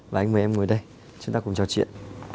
và anh mời em mới đây chúng ta cùng trò chuyện